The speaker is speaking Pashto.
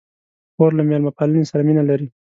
خور له میلمه پالنې سره مینه لري.